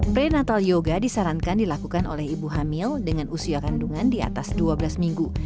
prenatal yoga disarankan dilakukan oleh ibu hamil dengan usia kandungan di atas dua belas minggu